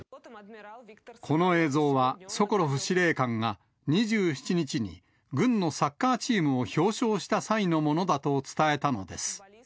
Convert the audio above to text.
この映像は、ソコロフ司令官が、２７日に、軍のサッカーチームを表彰した際のものだと伝えたのです。